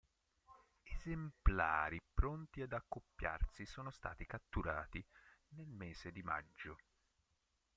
Esemplari pronti ad accoppiarsi sono stati catturati nel mese di maggio.